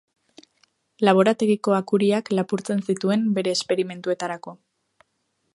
Laborategiko akuriak lapurtzen zituen bere esperimentuetarako.